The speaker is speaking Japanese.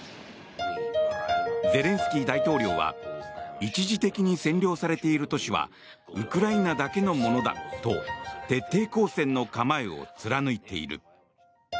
ゼレンスキー大統領は一時的に占領されている都市はウクライナだけのものだと徹底抗戦の構えを貫いている。